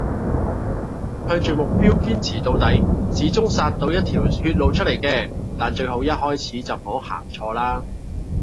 向住目標堅持到底，始終殺到一條血路出黎嘅，但最好一開始就唔好行錯啦